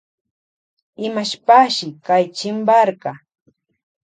Imashpashi kay chimparka.